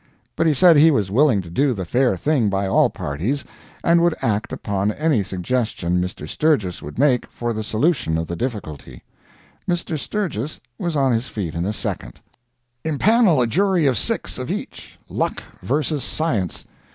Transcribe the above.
But he said he was willing to do the fair thing by all parties, and would act upon any suggestion Mr. Sturgis would make for the solution of the difficulty. Mr. Sturgis was on his feet in a second. "Impanel a jury of six of each, Luck versus Science.